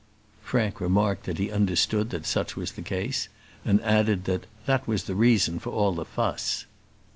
Frank remarked that he understood that such was the case, and added that "that was the reason for all the fuss."